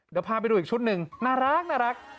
เดี๋ยวพาไปดูอีกชุดหนึ่งน่ารัก